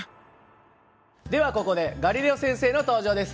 ではここでガリレオ先生の登場です。